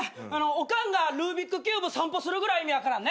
おかんがルービックキューブ散歩するぐらい意味分からんね。